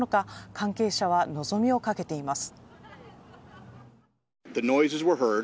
関係者は望みをかけています。